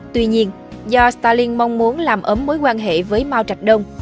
tuy nhiên do stalin mong muốn làm ấm mối quan hệ với mao trạch đông